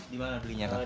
di mana belinya kang